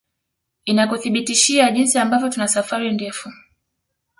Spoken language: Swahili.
Inakuthibitishia jinsi ambavyo tuna safari ndefu